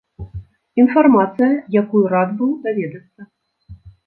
Інфармацыя, якую рад быў даведацца.